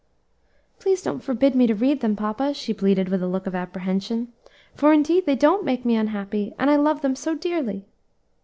"Please don't forbid me to read them, papa," she pleaded with a look of apprehension, "for indeed they don't make me unhappy, and I love them so dearly."